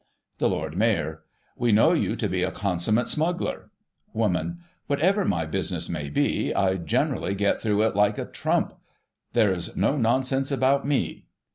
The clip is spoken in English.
The Lord Mayor: We know you to be a consummate smuggler. Woman: Whatever my business may be, I generally get through it like a trump. There's no nonsense about me.